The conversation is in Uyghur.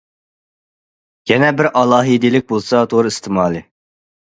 يەنە بىر ئالاھىدىلىك بولسا تور ئىستېمالى.